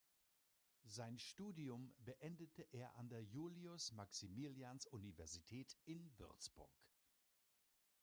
Sein Studium beendete er an der Julius-Maximilians-Universität in Würzburg.